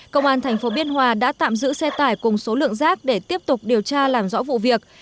công an thành phố biên hòa đã tạm giữ xe tải cùng số lượng rác để tiếp tục điều tra làm rõ vụ việc